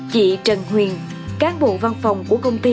chị trần huyền cán bộ văn phòng của công ty